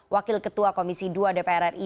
wakil ketua komisi dua dpr ri